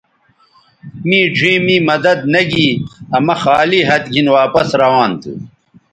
می ڙھیئں می مدد نہ گی آ مہ خالی ھَت گِھن واپس روان تھو